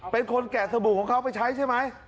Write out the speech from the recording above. แกะสบู่ของเขาไปใช้ใช่ไหม